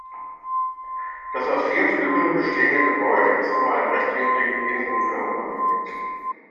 Das aus vier Flügeln bestehende Gebäude ist um einen rechtwinkligen Innenhof herum angelegt.